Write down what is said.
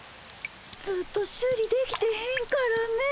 ずっと修理できてへんからねえ。